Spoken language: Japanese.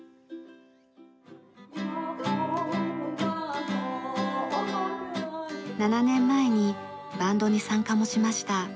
『カイマナヒラ』７年前にバンドに参加もしました。